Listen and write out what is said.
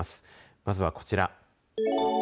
まずはこちら。